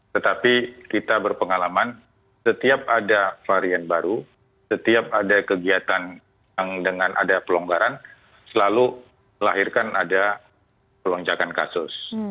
tetapi kita berpengalaman setiap ada varian baru setiap ada kegiatan yang dengan ada pelonggaran selalu melahirkan ada lonjakan kasus